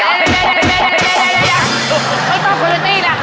ไม่ต้องโคโยอตี้นะ